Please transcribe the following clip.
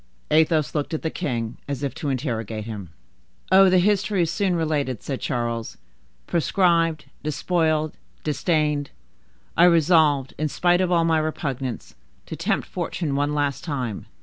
Athos looked at the king as if to interrogate him. "Oh, the history is soon related," said Charles. "Proscribed, despoiled, disdained, I resolved, in spite of all my repugnance, to tempt fortune one last time.